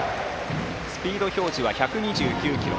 スピード表示は１２９キロ。